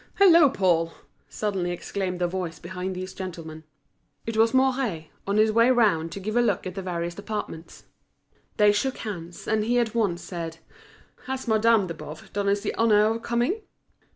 "Hullo, Paul!" suddenly exclaimed a voice behind these gentlemen. It was Mouret, on his way round to give a look at the various departments. They shook hands, and he at once asked: "Has Madame de Boves done us the honour of coming?"